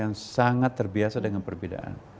yang sangat terbiasa dengan perbedaan